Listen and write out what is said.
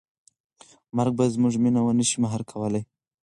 مرګ به زموږ مینه ونه شي مهار کولی.